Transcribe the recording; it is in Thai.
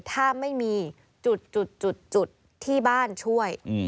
ถ้าไม่มีจุดที่บ้านช่วย